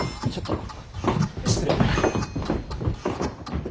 失礼。